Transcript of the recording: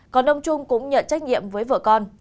còn ông trung cũng nhận trách nhiệm với vợ con